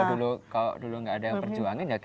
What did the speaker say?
kalau dulu nggak ada yang berjuangin nggak bisa